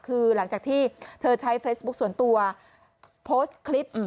คือหลังจากที่เธอใช้เฟซบุ๊คส่วนตัวโพสต์คลิป